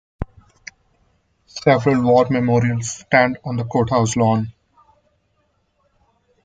Several war memorials stand on the Courthouse lawn.